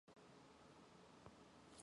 Би түүнд аяга хатуу дарс өгөхийг тушаав.